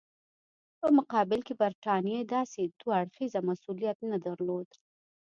په مقابل کې برټانیې داسې دوه اړخیز مسولیت نه درلود.